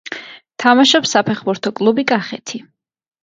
თამაშობს საფეხბურთო კლუბი კახეთი.